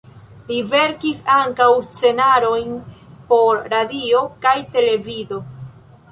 Li verkis ankaŭ scenarojn por radio kaj televido.